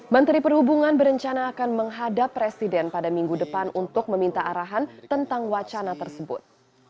menteri perhubungan berencana akan menghadap presiden pada minggu depan untuk meminta arahan tentang wacana tersebut